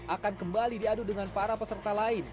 akan kembali diadu dengan para peserta lain